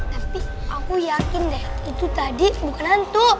tapi aku yakin deh itu tadi bukan hantu